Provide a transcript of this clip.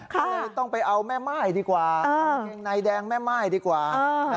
ก็เลยต้องไปเอาแม่ม่ายดีกว่าเอาเกงในแดงแม่ม่ายดีกว่า